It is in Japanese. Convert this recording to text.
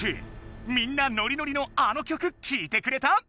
みんなノリノリのあのきょくきいてくれた？